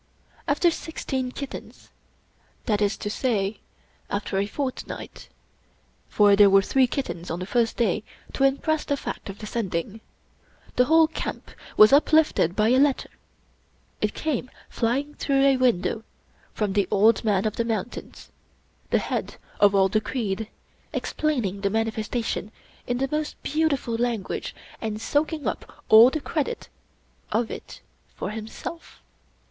After sixteen kittens — ^that is to say, after one fortnight, for there were three kittens on the first day to impress the fact of the Sending, the whole camp was uplifted by a let ter — it came flying through a window — from the Old Man of the Mountains — ^the head of all the creed— explaining the manifestation in the most beautiful language and soak ing up all the credit of it for himself.